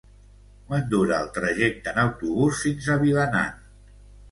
Quant dura el trajecte en autobús fins a Vilanant?